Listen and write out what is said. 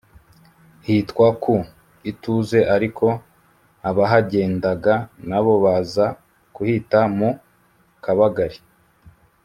hitwa ku “Ituze” ariko abahagendaga nabo baza kuhita mu “Kabagali”